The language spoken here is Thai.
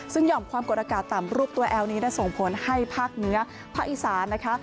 ซึ่งห่อมความกดอากาศต่ำรูปตัวแอลนี้ได้ส่งผลให้ภาคเหนือภาคอีสานนะคะ